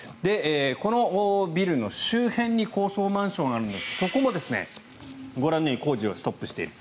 このビルの周辺に高層マンションがあるんですがそこもご覧のように工事がストップしている。